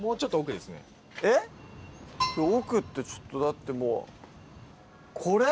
奥ってちょっとだってもう。